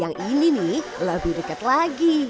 yang ini nih lebih dekat lagi